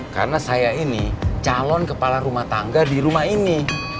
karena saya ini calon kepala rumah tangga di rumah ini